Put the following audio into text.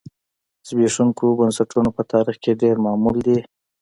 زبېښونکي بنسټونه په تاریخ کې ډېر معمول دي.